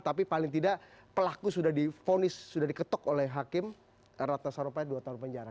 tapi paling tidak pelaku sudah diketuk oleh hakim ratna sarumpait dua tahun penjara